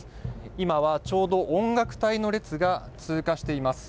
今はちょうど音楽隊の列が通過しています。